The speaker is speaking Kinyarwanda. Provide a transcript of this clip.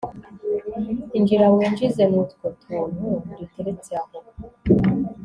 injira winjize nutwo tuntu duteretse aho